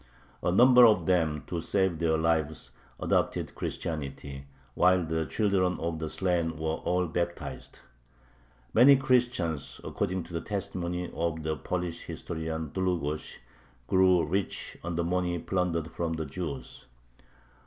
A number of them, to save their lives, adopted Christianity, while the children of the slain were all baptized. Many Christians, according to the testimony of the Polish historian Dlugosh, grew rich on the money plundered from the Jews.